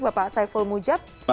bapak saiful mujad